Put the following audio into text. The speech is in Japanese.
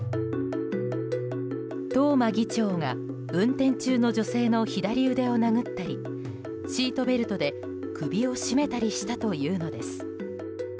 東間議長が運転中の女性の左腕を殴ったりシートベルトで首を絞めたりしたというのです。